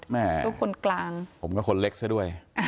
แม่ก็คนกลางผมก็คนเล็กซะด้วย